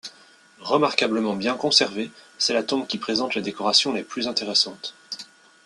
Remarquablement bien conservée, c'est la tombe qui présente les décorations les plus intéressantes.